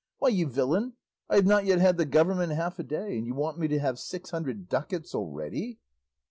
Why, you villain, I have not yet had the government half a day, and you want me to have six hundred ducats already!"